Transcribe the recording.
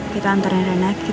kita antar yang ada nanti